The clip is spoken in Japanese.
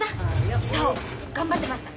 久男頑張ってました！